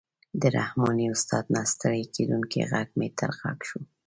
د رحماني استاد نه ستړی کېدونکی غږ مې تر غوږ شو.